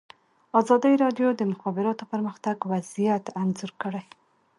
ازادي راډیو د د مخابراتو پرمختګ وضعیت انځور کړی.